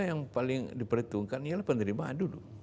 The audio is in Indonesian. yang paling diperhitungkan ialah penerimaan dulu